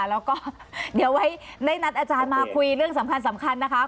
แล้วก็เดี๋ยวไว้ได้นัดอาจารย์มาคุยเรื่องสำคัญนะคะ